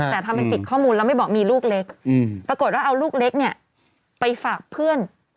แต่ทำเป็นปิดข้อมูลแล้วไม่บอกมีลูกเล็กปรากฏว่าเอาลูกเล็กเนี่ยไปฝากเพื่อน